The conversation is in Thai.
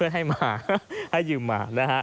ยืมเพื่อนมา